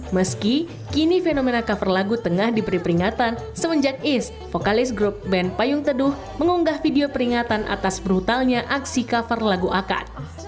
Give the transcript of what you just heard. meski kini fenomena cover lagu tengah diberi peringatan semenjak is vokalis grup band payung teduh mengunggah video peringatan atas brutalnya aksi cover lagu akad